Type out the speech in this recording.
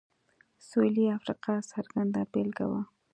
سوېلي افریقا څرګنده بېلګه وه.